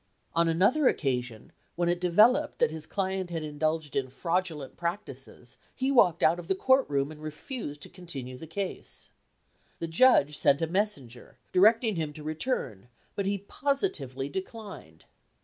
On another occasion, when it developed that his client had in dulged in fraudulent practices, he walked out of the court room and refused to continue the case. The judge sent a messenger, directing him to return, but he positively declined.